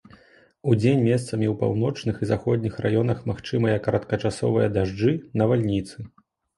Удзень месцамі ў паўночных і заходніх раёнах магчымыя кароткачасовыя дажджы, навальніцы.